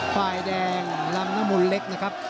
ฝ่ายแดงลำน้ำมนต์เล็กนะครับ